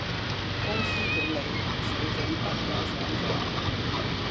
公司管理，水準不可想像